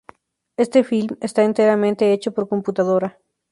Este film está enteramente hecho por computadora.